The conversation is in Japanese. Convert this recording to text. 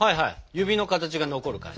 指の形が残る感じ。